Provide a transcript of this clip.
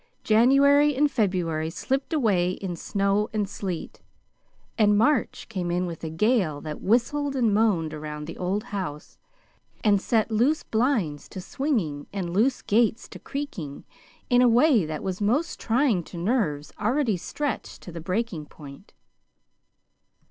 January and February slipped away in snow and sleet, and March came in with a gale that whistled and moaned around the old house, and set loose blinds to swinging and loose gates to creaking in a way that was most trying to nerves already stretched to the breaking point.